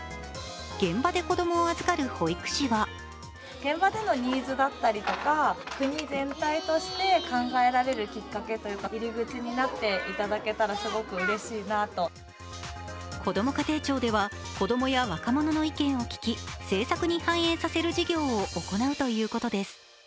現場で子供を預かる保育士はこども家庭庁では子どもや若者の意見を聞き政策に反映させる事業を行うということです。